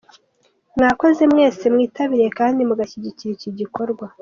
"Mwakoze mwe mwese mwitabiriye kandi mugashyigikira iki gikorwa.